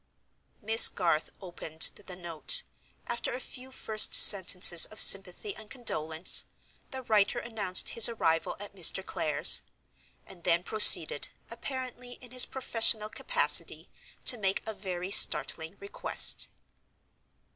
Miss Garth opened the note. After a few first sentences of sympathy and condolence, the writer announced his arrival at Mr. Clare's; and then proceeded, apparently in his professional capacity, to make a very startling request.